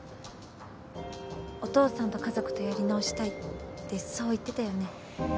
お父さんと家族とやり直したいってそう言ってたよね。